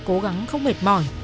cố gắng không mệt mỏi